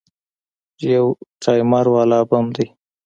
يو ټايمر والا بم دى.